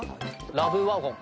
ラブワゴン！